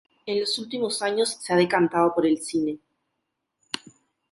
En los últimos años se ha decantado por el cine.